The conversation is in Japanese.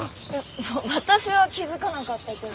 いや私は気づかなかったけど。